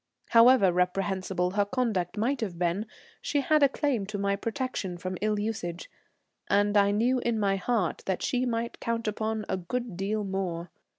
However reprehensible her conduct might have been, she had a claim to my protection from ill usage, and I knew in my heart that she might count upon a good deal more.